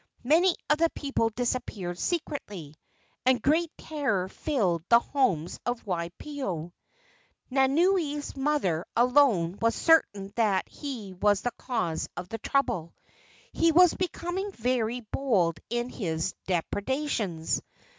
Many of the people disappeared secretly, and great terror filled the homes of Waipio. Nanaue's mother alone was certain that he was the cause of the trouble. He was becoming very bold in his depredations.